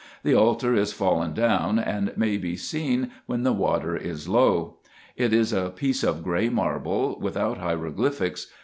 The altar is fallen down, and may be seen when the water is low. It is a piece of gray marble, without hieroglyphics.